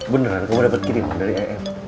beneran kamu dapet kiriman uang dari em